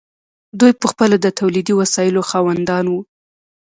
دوی پخپله د تولیدي وسایلو خاوندان وو.